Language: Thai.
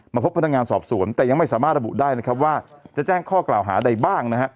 พบพนักงานสอบสวนแต่ยังไม่สามารถระบุได้นะครับว่าจะแจ้งข้อกล่าวหาใดบ้างนะฮะ